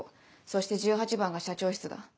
そして１８番が社長室だ。